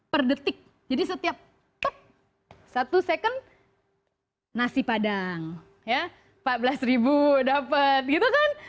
per detik jadi setiap satu second nasi padang ya empat belas dapat gitu kan